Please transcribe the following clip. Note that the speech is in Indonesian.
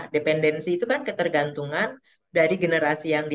dependensi itu kan ketergantungan dari generasi yang di